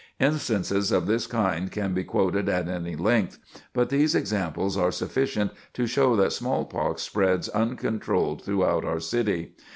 Instances of this kind can be quoted at any length, but these examples are sufficient to show that smallpox spreads uncontrolled throughout our city.